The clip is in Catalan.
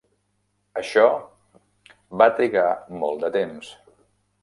Això va a trigar molt de temps.